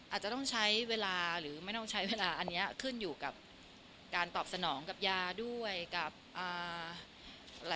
อาจจะต้องใช้เวลาหรือไม่ต้องใช้เวลาอันนี้ขึ้นอยู่กับการตอบสนองกับยาด้วยกับอ่า